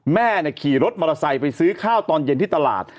แม่ขี่รถมอเตอร์ไซค์ไปซื้อข้าวตอนเย็นที่ตลาด